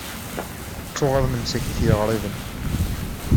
Ttuɣaḍen msakit yiɣriben.